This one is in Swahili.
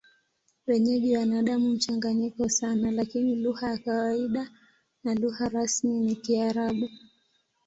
Wenyeji wana damu mchanganyiko sana, lakini lugha ya kawaida na lugha rasmi ni Kiarabu.